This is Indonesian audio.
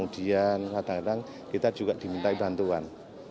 dan kadang kadang kita juga diminta bantuan